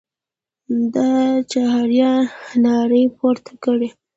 یا چهاریار نارې پورته کړې.